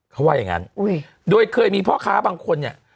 เขาว่าอย่างงั้นโดยเคยมีพ่อค้าบางคนเนี่ย